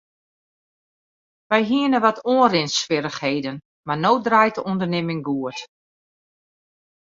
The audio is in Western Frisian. Wy hiene wat oanrinswierrichheden mar no draait de ûndernimming goed.